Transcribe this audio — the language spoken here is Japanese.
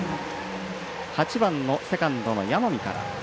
８番のセカンドの山見からです。